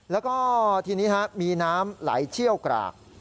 แล้วก็ทีนี้มีน้ำไหลเชี่ยวกราก